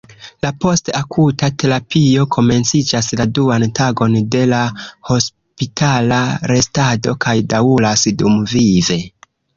La post-akuta terapio komenciĝas la duan tagon de la hospitala restado kaj daŭras dumvive.